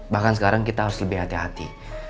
bahkan sekarang kita harus lebih hati hati